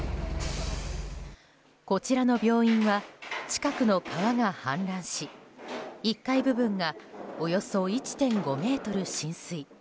こちらの病院は近くの川が氾濫し１階部分がおよそ１．５ｍ浸水。